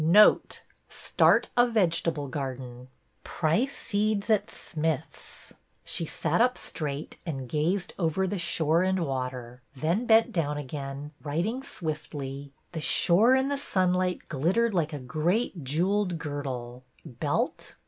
'' Note — Start a vegetable garden. Price seeds at Smith's." She sat up straight and gazed over the shore and water, then bent down again, writing swiftly, — The shore in the sunlight glittered like a great jewelled girdle (belt?)